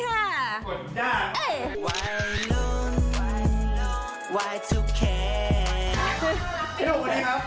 พี่หนุ่มสวัสดีครับ